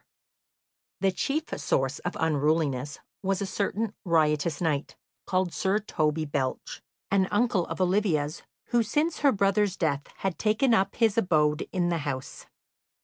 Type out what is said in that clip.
The chief source of unruliness was a certain riotous knight, called Sir Toby Belch, an uncle of Olivia's, who since her brother's death had taken up his abode in the house.